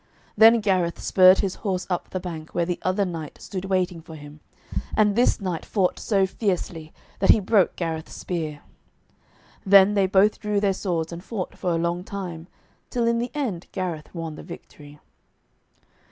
Then Gareth spurred his horse up the bank where the other knight stood waiting for him, and this knight fought so fiercely that he broke Gareth's spear. Then they both drew their swords, and fought for a long time, till in the end Gareth won the victory.